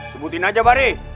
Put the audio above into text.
sebutin aja bare